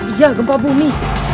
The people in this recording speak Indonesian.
iya gempa bumi